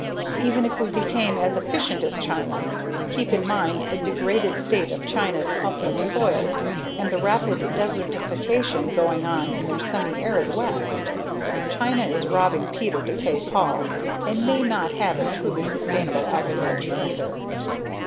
Even if we became as efficient as China, keep in mind the degraded state of China's upland soils and the rapid desertification going on in their semi arid west. China is robbing Peter to pay Paul and may not have a truly sustainable agriculture either.